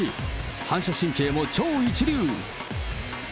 反射神経も超一流。